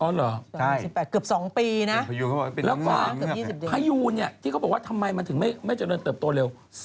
๑๘เกือบ๒ปีนะแล้วก็พยูนเนี่ยที่เขาบอกว่าทำไมมันถึงไม่เจริญเติบโตเร็ว